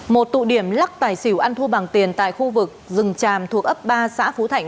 một tụ điểm lắc tài xỉu ăn thua bằng tiền tại khu vực rừng tràm thuộc ấp ba xã phú thạnh